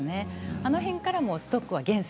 あの辺からストックは７割？